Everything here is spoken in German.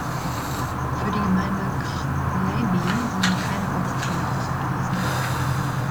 Für die Gemeinde Krchleby sind keine Ortsteile ausgewiesen.